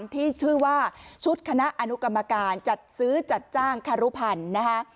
ที่ชื่อว่าชุดคณะอนุกรรมการจัดซื้อจัดจ้างคารุพันธ์นะคะ